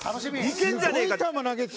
いけるんじゃねえか。